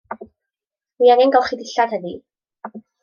Wi angen golchi dillad heddi.